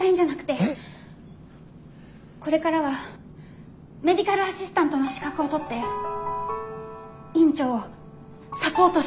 これからはメディカルアシスタントの資格を取って院長をサポートしたいんです！